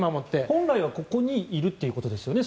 本来はここにいるということですよね。